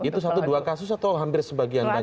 itu satu dua kasus atau hampir sebagian banyak